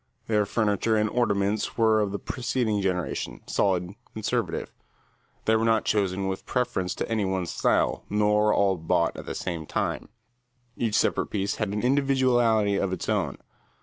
Their furniture and ornaments were of the preceding generation, solid, conservative. They were not chosen with reference to any one style, nor all bought at the same time. Each separate piece had an individuality of its own.